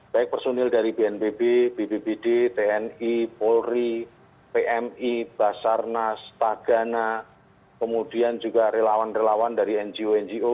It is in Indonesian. baik personil dari bnpb bbbd tni polri pmi basarnas tagana kemudian juga relawan relawan dari ngo ngo